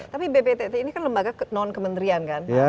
tapi bptt ini kan lembaga non kementerian kan